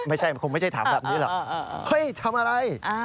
ไม่ใช่มันคงไม่ใช่ถามแบบนี้หรอกเฮ้ยทำอะไร